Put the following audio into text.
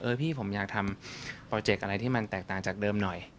พี่ผมอยากทำโปรเจกต์อะไรที่มันแตกต่างจากเดิมหน่อย